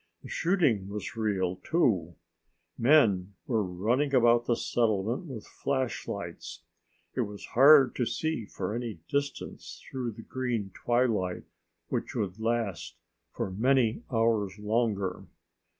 The shooting was real too. Men were running about the settlement with flashlights. It was hard to see for any distance through the green twilight which would last for many hours longer.